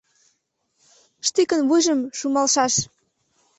Штыкын вуйжым шумалшаш!